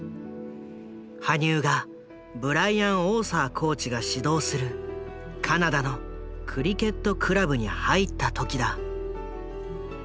羽生がブライアン・オーサーコーチが指導するカナダのクリケットクラブに入った時だ。